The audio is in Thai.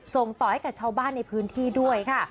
ส่งต่อให้กับชาวบ้านในพื้นที่ด้วยค่ะ